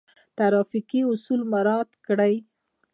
ټرافیکي اصول مراعات کړئ